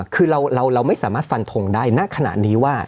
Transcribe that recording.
คือเราไม่สามารถฟันทงได้ณขณะนี้ว่า